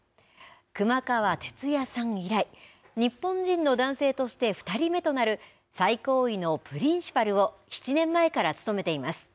熊川哲也さん以来、日本人の男性として２人目となる、最高位のプリンシパルを７年前から務めています。